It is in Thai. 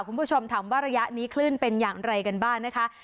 คุณผู้ชมถามว่าระยะนี้คลื่นเป็นอย่างไรกันบ้างนะคะ